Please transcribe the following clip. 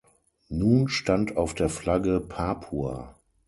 Nun stand auf der Flagge "Papua".